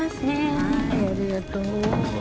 はいありがとう。